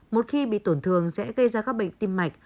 một khi bị tổn thương sẽ gây ra các bệnh tim mạch